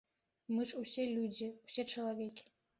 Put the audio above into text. Мы ж усе людзі, усе чалавекі.